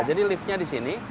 jadi liftnya disini